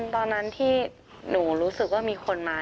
ตอนนั้นที่หนูรู้สึกว่ามีคนมา